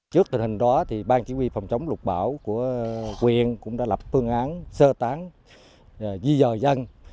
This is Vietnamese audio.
trước tình hình đó bang chỉ huy phòng chống lục bão của quyền cũng đã lập phương án sơ tán di dời dân